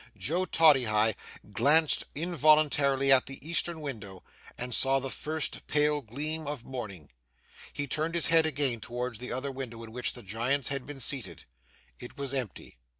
Joe Toddyhigh glanced involuntarily at the eastern window, and saw the first pale gleam of morning. He turned his head again towards the other window in which the Giants had been seated. It was empty.